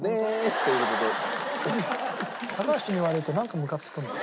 高橋に言われるとなんかむかつくんだよ。